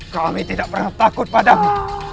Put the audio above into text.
kami tidak pernah takut padamu